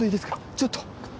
ちょっと